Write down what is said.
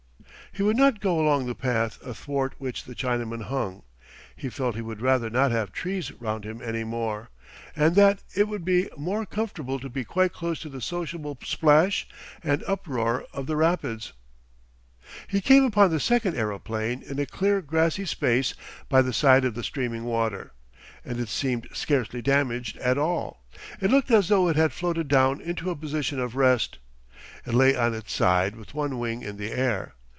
He would not go along the path athwart which the Chinaman hung. He felt he would rather not have trees round him any more, and that it would be more comfortable to be quite close to the sociable splash and uproar of the rapids. He came upon the second aeroplane in a clear grassy space by the side of the streaming water, and it seemed scarcely damaged at all. It looked as though it had floated down into a position of rest. It lay on its side with one wing in the air.